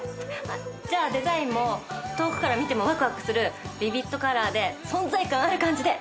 じゃあデザインも遠くから見てもわくわくするビビットカラーで存在感ある感じで。